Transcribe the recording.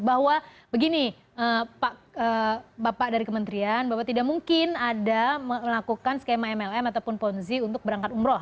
bahwa begini bapak dari kementerian bahwa tidak mungkin ada melakukan skema mlm ataupun ponzi untuk berangkat umroh